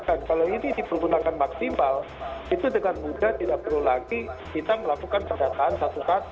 kalau ini dipergunakan maksimal itu dengan mudah tidak perlu lagi kita melakukan pendataan satu satu